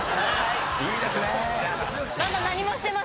いいですね。